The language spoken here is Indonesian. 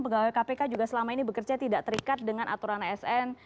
pegawai kpk juga selama ini bekerja tidak terikat dengan aturan asn